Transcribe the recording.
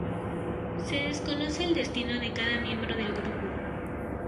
Se desconoce el destino de cada miembro del grupo.